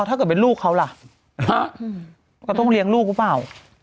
ถ้าเกิดเป็นลูกเขาล่ะเราต้องเลี้ยงลูกหรือเปล่า